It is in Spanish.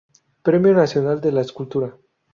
Premio Nacional de Escultura.